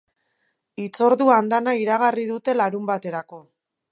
Hitzordu andana iragarri dute larunbaterako.